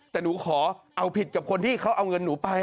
แต่หนูขอเอาผิดกับคนที่เขาเอาเงินหนูไป